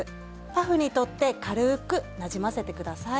パフに取って軽ーくなじませてください。